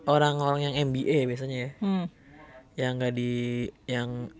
orang orang yang mba biasanya ya